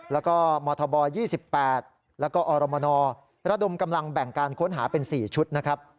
แล้วก็มธบ๒๘แล้วก็อรมนระดมกำลังแบ่งการค้นหาเป็น๔ชุดนะครับ